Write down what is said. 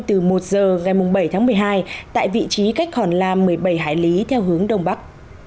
từ một giờ ngày bảy tháng một mươi hai tại vị trí cách hòn la một mươi bảy hải lý theo hướng đông bắc